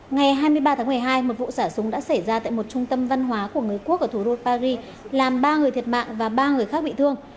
ngày hai mươi ba tháng một mươi hai một vụ xả súng đã xảy ra tại một trung tâm văn hóa của người quốc ở thủ đô paris làm ba người thiệt mạng và ba người khác bị thương